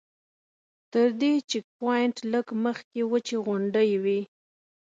تر دې چیک پواینټ لږ مخکې وچې غونډۍ وې.